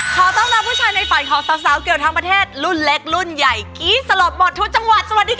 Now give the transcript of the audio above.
ขอต้อนรับผู้ชายในฝันของสาวเกี่ยวทั้งประเทศรุ่นเล็กรุ่นใหญ่กรี๊ดสลดหมดทุกจังหวัดสวัสดีค่ะ